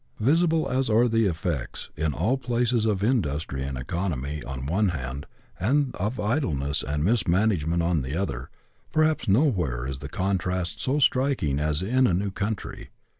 Visible as are the effects, in all places, of industry and economy on one hand, and of idleness and mismanagement on the other, perhaps nowhere is the contrast so striking as in a new country.